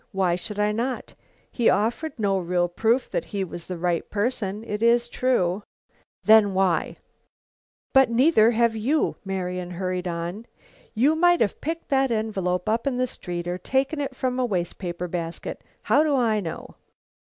Why should I not? He offered no real proof that he was the right person, it is true " "Then why " "But neither have you," Marian hurried on. "You might have picked that envelope up in the street, or taken it from a wastepaper basket. How do I know?"